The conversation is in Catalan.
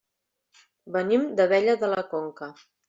Venim d'Abella de la Conca.